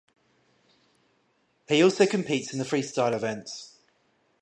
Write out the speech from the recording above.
He also competes in the freestyle events.